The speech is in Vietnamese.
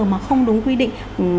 mà không đúng quy định